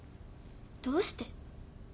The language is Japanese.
どうして？